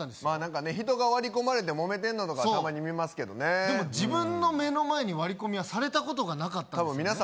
まあ何かね人が割り込まれてモメてんのとかたまに見ますけどでも自分の目の前に割り込みはされたことがなかったんですよね